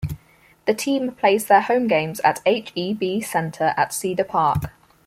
The team plays their home games at H-E-B Center at Cedar Park.